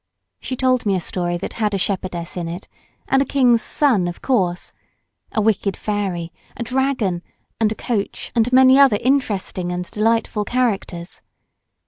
She told me a story that had a shepherdess in it and a king's son, of course; a wicked fairy, a dragon and a coach and many other interesting and delightful characters.